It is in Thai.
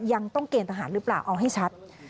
ยังต้องเกณฑหารหรือเปล่าเอาให้ชัด